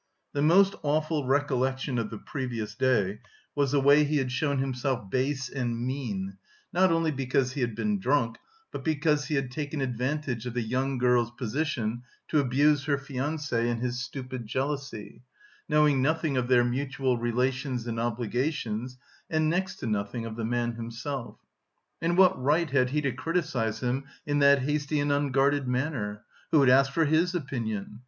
The most awful recollection of the previous day was the way he had shown himself "base and mean," not only because he had been drunk, but because he had taken advantage of the young girl's position to abuse her fiancé in his stupid jealousy, knowing nothing of their mutual relations and obligations and next to nothing of the man himself. And what right had he to criticise him in that hasty and unguarded manner? Who had asked for his opinion?